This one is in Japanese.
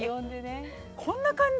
こんな感じ？